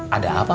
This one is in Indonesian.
ada apa pak